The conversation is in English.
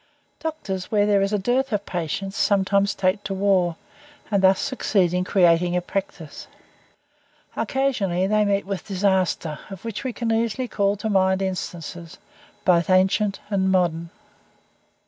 Doctors, when there is a dearth of patients, sometimes take to war, and thus succeed in creating a "practice." Occasionally they meet with disaster, of which we can easily call to mind instances, both ancient and modern.